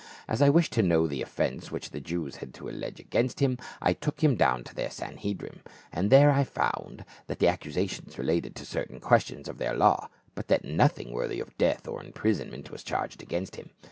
As I wished to know the offence which the Jews had to allege against him, I took him down to their Sanhedrim, and there I found that the accusations related to certain questions of their law, but that nothing worthy of death or imprisonment was charged against him.